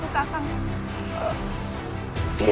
kau jangan terbiasa